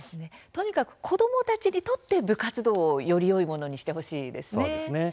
とにかく子どもたちにとって部活動をよりよいものにしてほしいですね。